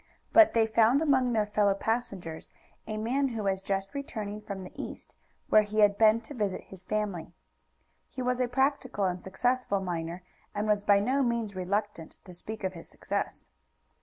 But they found among their fellow passengers a man who was just returning from the East, where he had been to visit his family. He was a practical and successful miner, and was by no means reluctant to speak of his success.